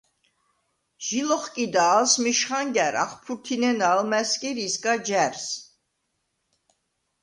ჟი ლოხკიდა ალსმიშ ხანგა̈რ. ახფურთინენა ალმა̈სგირ ისგა ჯა̈რს.